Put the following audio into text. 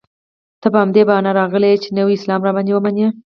ته په همدې بهانه راغلی یې چې نوی اسلام را باندې ومنې.